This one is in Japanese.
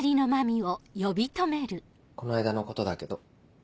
この間のことだけど。